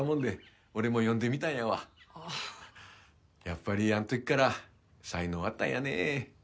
やっぱりあん時から才能あったんやね。